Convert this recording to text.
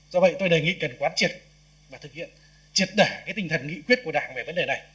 do vậy tôi đề nghị cần quán triệt và thực hiện triệt đẻ cái tinh thần nghị quyết của đảng về vấn đề này